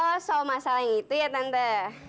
oh soal masalah yang itu ya tante